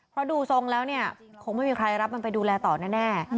เพราะดูทรงแล้วเนี่ยคงไม่มีใครรับมันไปดูแลต่อแน่